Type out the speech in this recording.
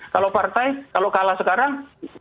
kalau partai kalau kalah sekarang